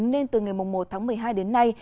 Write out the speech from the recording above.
nên từ ngày một tháng một mươi hai đến nay